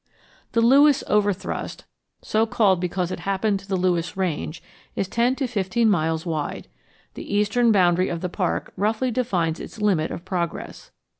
The Lewis Overthrust, so called because it happened to the Lewis Range, is ten to fifteen miles wide. The eastern boundary of the park roughly defines its limit of progress.